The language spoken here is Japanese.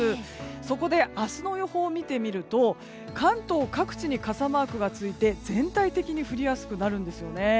そこで明日の予報を見てみると関東各地に傘マークがついて全体的に降りやすくなるんですね。